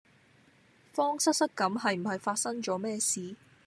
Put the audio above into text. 慌失失咁係唔係發生左咩事？